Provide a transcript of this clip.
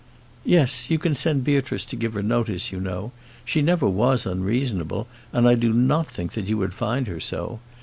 "Yes; you can send Beatrice to give her notice, you know. She never was unreasonable, and I do not think that you would find her so.